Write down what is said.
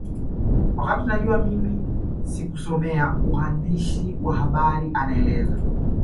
Wakati najua mimi sikusomea uandishi wa habari anaeleza